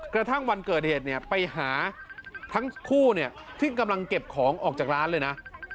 กระทั่งวันเกิดเหตุไปหาทั้งคู่ที่กำลังเก็บของออกจากร้านเลยนะ